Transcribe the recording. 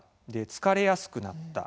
疲れやすくなった。